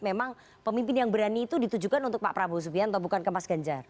memang pemimpin yang berani itu ditujukan untuk pak prabowo subianto bukan ke mas ganjar